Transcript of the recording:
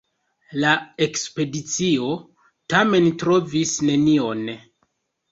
La ekspedicio tamen trovis nenion.